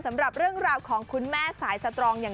สำหรับเรื่องราวของคุณแม่สายสตรองอย่าง